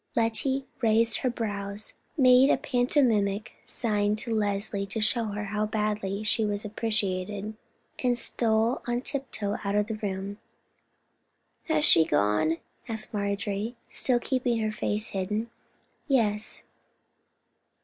Lettie raised her brows, made a pantomimic sign to Leslie to show how badly she was appreciated, and stole on tiptoe out of the room. "Has she gone?" asked Marjorie, still keeping her face hidden. "Yes."